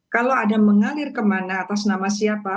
kalau ada mengalir kemana atas nama siapa